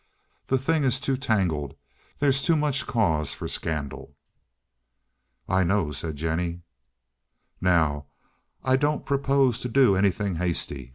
The thing is too tangled. There's too much cause for scandal." "I know," said Jennie. "Now, I don't propose to do anything hasty.